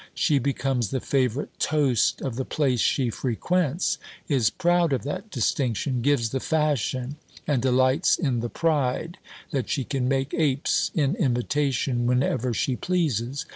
She becomes the favourite toast of the place she frequents, is proud of that distinction; gives the fashion, and delights in the pride, that she can make apes in imitation, whenever she pleases.